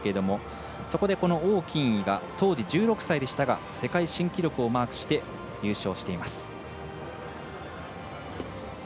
そこで、この王欣怡が当時１６歳でしたが世界新記録をマークして優勝しています。